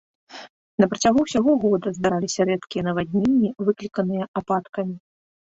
На працягу ўсяго года здараліся рэдкія навадненні, выкліканыя ападкамі.